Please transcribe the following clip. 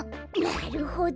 なるほど。